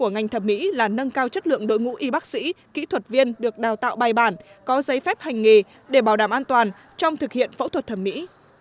nâng cao chất lượng đội ngũ y bác sĩ kỹ thuật viên được đào tạo bài bản có giấy phép hành nghề để bảo đảm an toàn trong thực hiện phẫu thuật thẩm mỹ